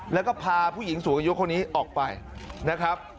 แล้วก็พาผู้หญิงสูงอายุคนนี้ออกไปนะครับ